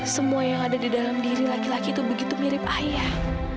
semua yang ada di dalam diri laki laki itu begitu mirip ayah